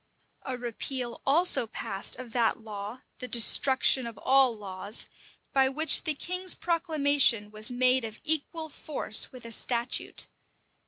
A repeal also passed of that law, the destruction of all laws, by which the king's proclamation was made of equal force with a statute.